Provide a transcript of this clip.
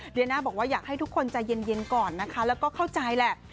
เดียน่าบอกว่าอยากให้ทุกคนใจเย็นก่อนนะคะแล้วก็เข้าใจแหละ